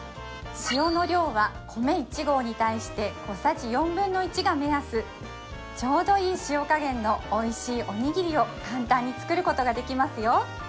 塩の量は米１合に対して小さじ４分の１が目安ちょうどいい塩加減のおいしいおにぎりを簡単に作ることができますよ